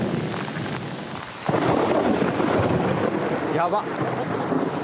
やばっ。